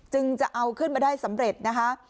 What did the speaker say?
จะเอาขึ้นมาได้สำเร็จนะคะ